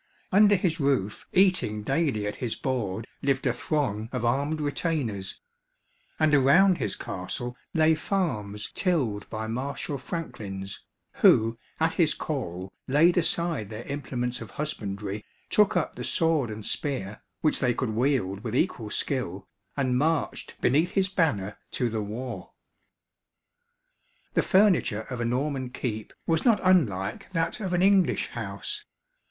Under his roof, eating daily at his board, lived a throng of armed retainers; and around his castle lay farms tilled by martial franklins, who at his call laid aside their implements of husbandry, took up the sword and spear, which they could wield with equal skill, and marched beneath his banner to the war. The furniture of a Norman keep was not unlike that of an English house.